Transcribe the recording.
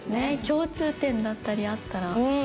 共通点だったりあったら。